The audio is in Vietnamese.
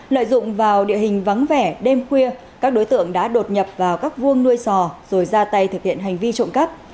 lợi dụng vào địa hình vắng vẻ đêm khuya các đối tượng đã đột nhập vào các vuông nuôi sò rồi ra tay thực hiện hành vi trộm cắp